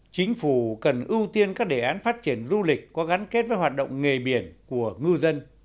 chính phủ cần ưu tiên các đề án phát triển du lịch có gắn kết với hoạt động nghề biển của ngư dân